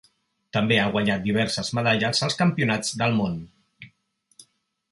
També ha guanyat diverses medalles als Campionats del món.